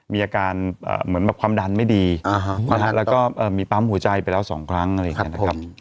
มีอาการเหมือนแบบความดันไม่ดีแล้วก็มีปั๊มหัวใจไปแล้ว๒ครั้งอะไรอย่างนี้นะครับ